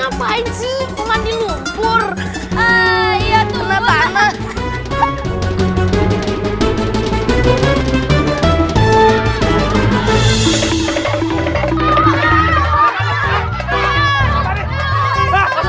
diperbaiki itu kayak gitu ya ya bosnya bosnya ini ustadz kita itu lagi nyari binatang yang